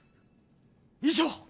以上！